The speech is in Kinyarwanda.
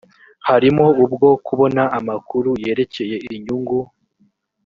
harimo ubwo kubona amakuru yerekeye inyungu